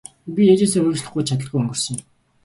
Би ээжээсээ уучлалт гуйж чадалгүй өнгөрсөн юм.